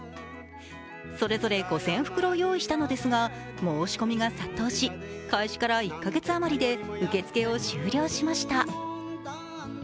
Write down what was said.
それぞれ５０００袋用意したのですが申し込みが殺到し、開始から１か月余りで受け付けを終了しました。